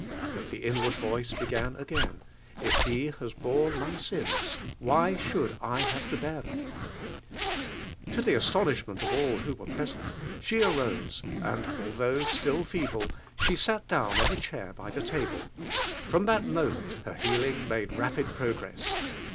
But the inward voice begun again: ''If lb 1 lias borne my siua, why should 1 have to beat 1 thorn?' To the astonishment of all who were present, she arose, and although still feeble, sat down in a chair by the table. Fcom that moment her healing made rapid progress.